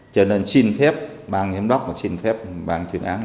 cho nên xin phép ban giám đốc và xin phép ban chuyên án